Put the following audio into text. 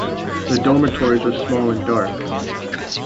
The dormitories were small and dark.